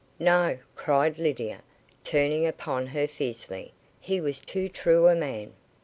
"No," cried Lydia, turning upon her fiercely. "He was too true a man."